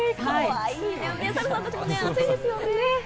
お猿さんたちも暑いですよね。